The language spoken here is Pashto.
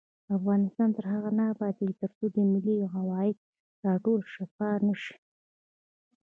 افغانستان تر هغو نه ابادیږي، ترڅو د ملي عوایدو راټولول شفاف نشي.